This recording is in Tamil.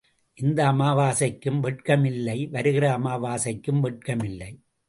இந்த அமாவாசைக்கும் வெட்கம் இல்லை வருகிற அமாவாசைக்கும் வெட்கம் இல்லை.